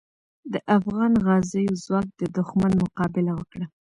د افغان غازیو ځواک د دښمن مقابله وکړه.